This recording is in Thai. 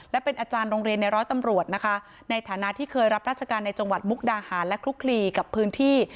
และเป็นอาจารย์โรงเรียนในร้อยตำรวจนะคะในฐานะที่เคยรับราชการในจังหวัดมุกดาหารและคลุกคลีกับพื้นที่